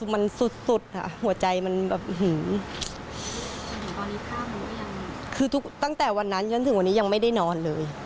มันสุดค่ะหัวใจมันแบบคือตั้งแต่วันนั้นจนถึงวันนี้ยังไม่ได้นอนเลย